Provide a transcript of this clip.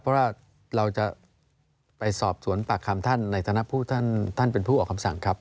เพราะว่าเราจะไปสอบสวนปากคำท่านในฐานะผู้ท่านเป็นผู้ออกคำสั่งครับ